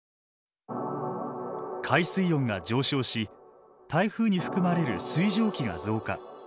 海水温が上昇し台風に含まれる水蒸気が増加。